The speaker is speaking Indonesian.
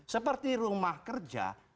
seperti rumah kerja